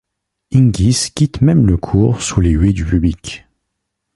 Hingis quitte même le court sous les huées du public.